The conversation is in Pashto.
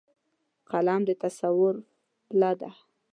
قلم د تصور پله ده